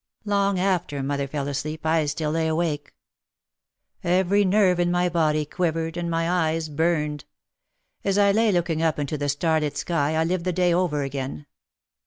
Long after mother fell asleep I still lay awake. Every nerve in my body quivered and my eyes burned. As I lay looking up into the starlit sky I lived the day over again.